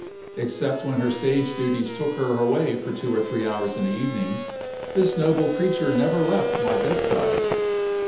Except when her stage duties took her away for two or three hours in the evening, this noble creature never left my bedside.